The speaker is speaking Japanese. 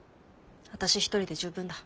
私一人で十分だ。